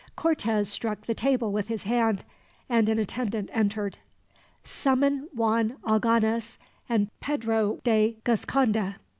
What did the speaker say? Cortez struck the table with his hand, and an attendant entered. "Summon Juan Algones and Pedro de Gasconda."